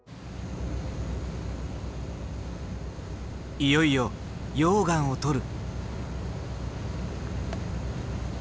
いよいよ溶岩を採る。